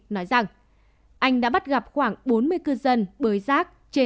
nói rằng anh đã bắt gặp khoảng bốn mươi cư dân bới rác trên